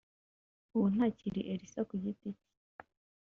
ubu ntakiri Elsa ku giti cye